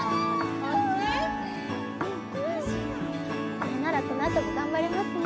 これならこのあとも頑張れますね。